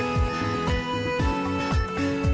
ยอไอ้